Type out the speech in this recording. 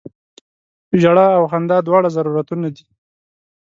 ژړا او خندا دواړه ضرورتونه دي.